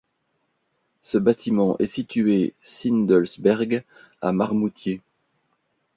Ce bâtiment est situé Sindelsberg à Marmoutier.